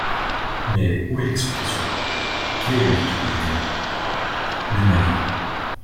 Mais où est l’explication ? Quel est l’avis du Gouvernement ? Même avis.